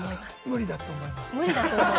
無理だと思います。